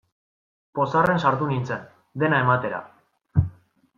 Pozarren sartu nintzen, dena ematera.